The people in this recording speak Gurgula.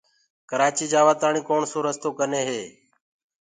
ڪرآچي جآوآ تآڻي ڪوڻسو رستو ڪني هي۔